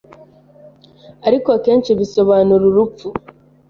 ariko akenshi bisobanura urupfu.